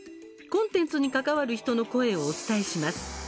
コンテンツに関わる人の声をお伝えします。